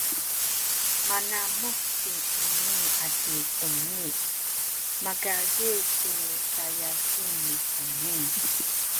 manamuh ci Imi aci Dungi makazih tu syasing nuheni.